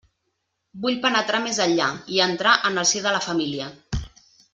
Vull penetrar més enllà, i entrar en el si de la família.